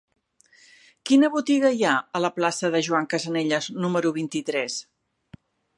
Quina botiga hi ha a la plaça de Joan Casanelles número vint-i-tres?